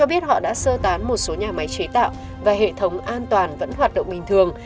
bán một số nhà máy chế tạo và hệ thống an toàn vẫn hoạt động bình thường